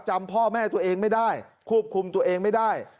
จำพ่อแม่ตัวเองไม่ได้ควบคุมตัวเองไม่ได้